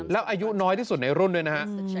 แล้วอายุน้อยที่สุดในรุ่นด้วยนะฮะ